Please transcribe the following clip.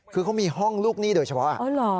คือเขามีห้องลูกหนี้โดยเฉพาะ